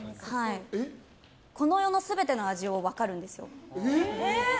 この世の全ての味を分かるんですよ。